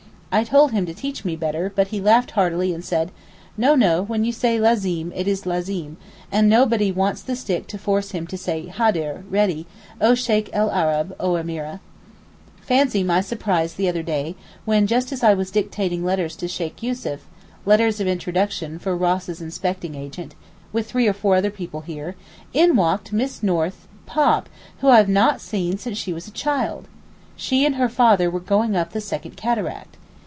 I told him to teach me better, but he laughed heartily, and said, 'No, no, when you say lazim, it is lazim, and nobody wants the stick to force him to say Hadr (ready) O Sheykh el Arab, O Emeereh.' Fancy my surprise the other day just when I was dictating letters to Sheykh Yussuf (letters of introduction for Ross's inspecting agent) with three or four other people here, in walked Miss North (Pop) whom I have not seen since she was a child. She and her father were going up the second cataract.